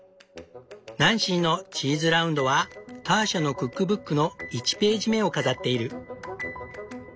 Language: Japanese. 「ナンシーのチーズラウンド」はターシャのクックブックの１ページ目を飾っている。